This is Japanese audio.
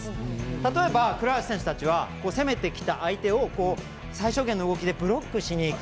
例えば、倉橋選手たちは攻めてきた相手を最小限の動きでブロックしにいく。